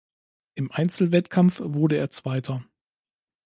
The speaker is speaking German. Im Einzelwettkampf wurde er Zweiter.